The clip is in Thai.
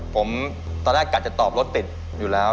ผมตอนแรกกะจะตอบรถติดอยู่แล้ว